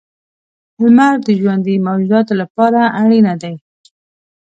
• لمر د ژوندي موجوداتو لپاره اړینه دی.